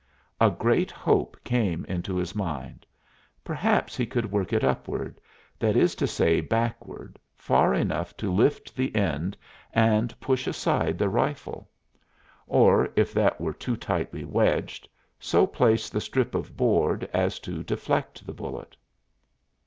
A great hope came into his mind: perhaps he could work it upward, that is to say backward, far enough to lift the end and push aside the rifle; or, if that were too tightly wedged, so place the strip of board as to deflect the bullet.